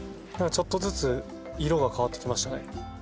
ちょっとずつ色が変わってきましたね。